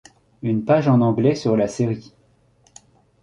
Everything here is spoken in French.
Une page en anglais sur la série.